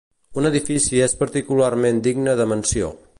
Un edifici és particularment digne de menció.